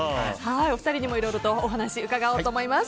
お二人にもいろいろとお話を伺おうと思います。